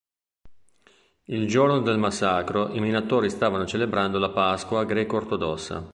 Il giorno del massacro i minatori stavano celebrando la Pasqua greco-ortodossa.